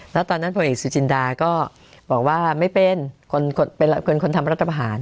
แล้วตอนนั้นผลเอกสุจินดาก็บอกว่าไม่เป็นคนทำรัฐประหาร